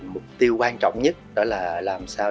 mục tiêu quan trọng nhất đó là làm sao